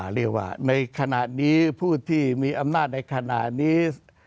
เรียกว่าในขณะนี้ผู้ที่มีอำนาจในขณะนี้